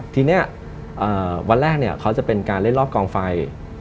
ทีนี้วันแรกเขาจะเป็นการเล่นรอบกองไฟ